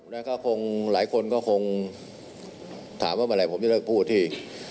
แล้วก็คงหลายคนก็คงถามว่าเมื่อไหร่ผมจะเลิกพูดที่